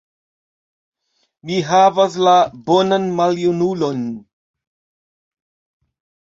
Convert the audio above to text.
Mi havas la «bonan maljunulon».